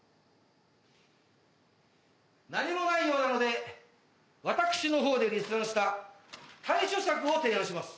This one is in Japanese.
何もないようなので私のほうで立案した対処策を提案します。